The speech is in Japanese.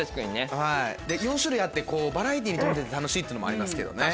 はいで４種類あってバラエティーに富んでて楽しいっていうのもありますけどね。